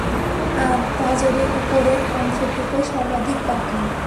আর পাঁজরের উপরের অংশটুকুই সর্বাধিক বাকা।